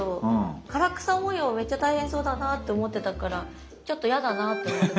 唐草模様めっちゃ大変そうだなって思ってたからちょっと嫌だなと思って。